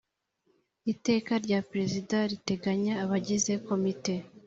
iteka rya perezida riteganya abagize komite